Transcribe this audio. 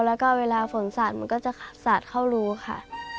แล้วก็เวลาฝนสาดมันก็จะสาดเข้ารูค่ะ